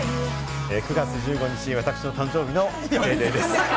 ９月１５日、私の誕生日の『ＤａｙＤａｙ．』です。